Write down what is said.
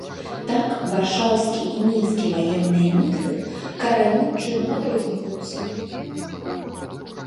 Так, варшаўскі і мінскі ваенныя міфы карэнным чынам адрозніваюцца.